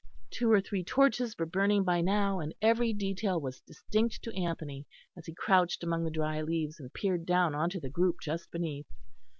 Two or three torches were burning by now, and every detail was distinct to Anthony, as he crouched among the dry leaves and peered down on to the group just beneath.